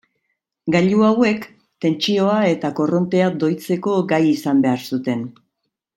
Gailu hauek, tentsioa eta korrontea doitzeko gai izan behar zuten.